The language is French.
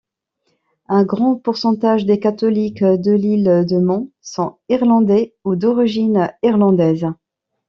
Un grand pourcentage des catholiques de l'Île de Man sont irlandais ou d'origines irlandaises.